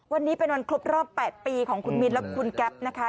วันนี้เป็นวันครบรอบ๘ปีของคุณมิ้นและคุณแก๊ปนะคะ